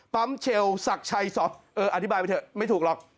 ปั๊มเชลสักชัยสอบเอออธิบายไปเถอะไม่ถูกหรอก